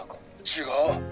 違う。